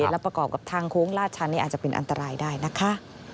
และประกอบกับทางโค้งลาดชันนี่อาจจะเป็นอันตรายได้นะคะ